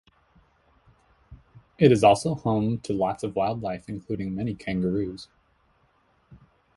It is also home to lots of wildlife including many kangaroos.